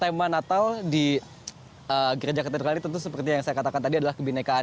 tema natal di gereja katedral ini tentu seperti yang saya katakan tadi adalah kebinekaan